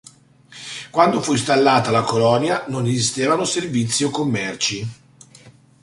Quando fu installata la colonia, non esistevano servizi o commerci.